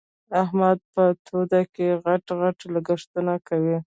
احمد په توده کې؛ غټ غټ لګښتونه کوي.